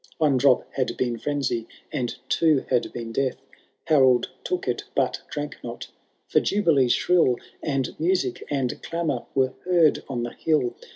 One drop had been frenzy, and two had been death. Harold took it, but drank not ; for jubilee shrill. And music and clamour were heard on the hill.